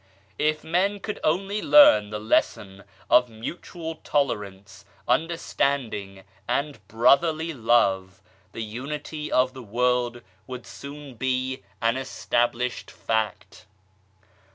If men could only learn the lesson of mutual tolerance, understanding, and brotherly love, the Unity of the world would soon be an established fact.